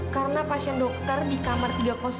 karena pasien dokter di kamar tiga ratus tiga